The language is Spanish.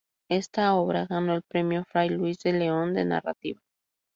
Esta obra ganó el Premio Fray Luis de León de narrativa.